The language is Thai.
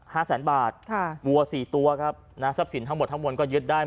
ห้าแสนบาทค่ะวัวสี่ตัวครับนะฮะทั้งหมดทั้งหมดก็ยึดได้